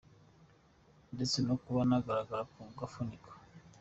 Ndetse no kuba nagaragara ku gifuniko.